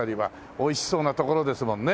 おいしそうなところですもんね。